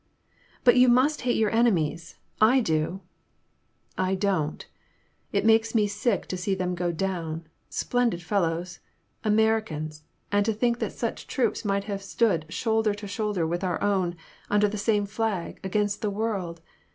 But you must hate your enemies ; I do." I don't; it makes me sick to see them go down— splendid fellows, — Americans, and to think that such troops might have stood shoulder to shoulder with our own, under the same flag, against the world